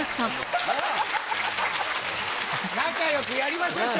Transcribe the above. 仲良くやりましょう師匠。